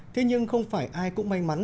thế nhưng không phải ai cũng may mắn